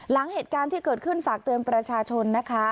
หลังเหตุการณ์ที่เกิดขึ้นฝากเตือนประชาชนนะคะ